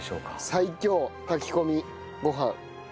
最強炊き込みご飯。